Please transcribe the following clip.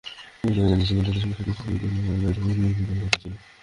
পরিচালক জানিয়েছেন, নির্ধারিত সময়ে শুটিং শেষে ঈদুল আজহায় ছবিটি মুক্তি দেওয়ার কথা ছিল।